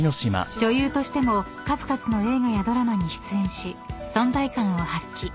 ［女優としても数々の映画やドラマに出演し存在感を発揮］